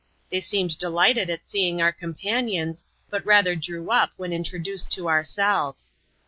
They seemed delighted at seeing our companions, but rather drew up when introduced to ourselves.